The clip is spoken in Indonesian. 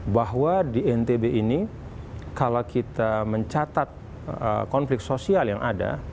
bahwa di ntb ini kalau kita mencatat konflik sosial yang ada